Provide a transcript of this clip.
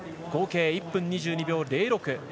合計１分２２秒０６。